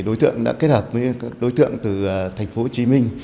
đối tượng đã kết hợp với đối tượng từ thành phố hồ chí minh